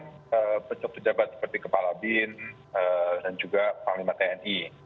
dengan bentuk pejabat seperti kepala bin dan juga panglima tni